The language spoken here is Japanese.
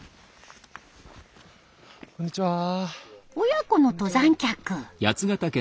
親子の登山客。